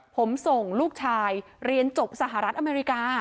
ผมส่งลูกชายเรียนจบสหรัฐอเมริกา